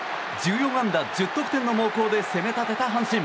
１４安打１０得点の猛攻で責め立てた阪神。